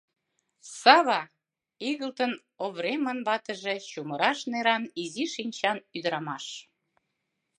— Сава! — игылтын Овремын ватыже, чумыраш неран, изи шинчан ӱдырамаш.